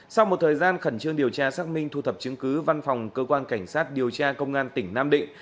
sau một thời gian khẩn trương điều tra xác minh thu thập chứng cứ văn phòng cơ quan cảnh sát điều tra công an tỉnh nam định